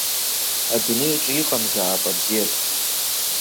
Адунеи аҿы иҟамзаап абзиабара.